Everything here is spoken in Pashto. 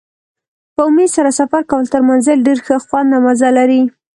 په امید سره سفر کول تر منزل ډېر ښه خوند او مزه لري.